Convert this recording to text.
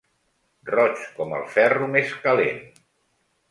Roig com el ferro més calent.